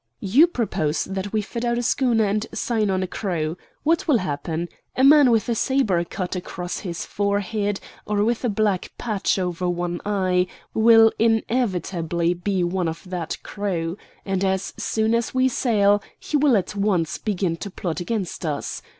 "You propose that we fit out a schooner and sign on a crew. What will happen? A man with a sabre cut across his forehead, or with a black patch over one eye, will inevitably be one of that crew. And, as soon as we sail, he will at once begin to plot against us.